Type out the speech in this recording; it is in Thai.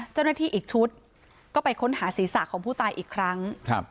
เจ้าหน้าที่อีกชุดก็ไปค้นหาศีรษะของผู้ตายอีกครั้ง